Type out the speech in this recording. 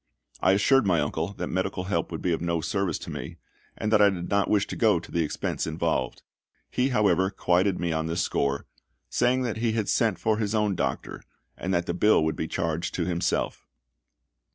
I assured my uncle that medical help would be of no service to me, and that I did not wish to go to the expense involved. He, however, quieted me on this score, saying that he had sent for his own doctor, and that the bill would be charged to himself.